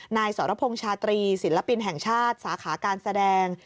นายสรพงษ์ชาตรีศิลปินแห่งชาติสาขาการแสดง